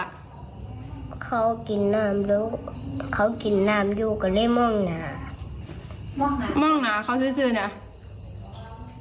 เขากินน้ำเขากินน้ำอยู่กันได้ม่วงหนาม่วงหนาเขาซื้อซื้อเนี่ย